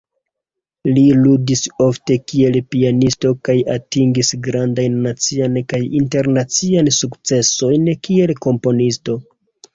Li ludis ofte kiel pianisto kaj atingis grandajn naciajn kaj internaciajn sukcesojn kiel komponisto.